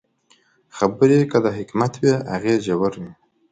خبرې که د حکمت وي، اغېز ژور وي